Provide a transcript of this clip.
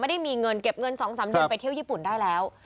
ได้มีเงินเก็บเงิน๒๓เดือนไปเที่ยวญี่ปุ่นได้แล้ว